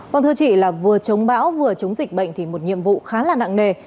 vâng thưa chị là vừa chống bão vừa chống dịch bệnh thì một nhiệm vụ khá là nặng nề